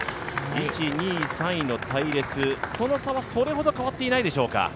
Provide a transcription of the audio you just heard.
１、２、３位の隊列、その差はそれほど変わっていないでしょうか。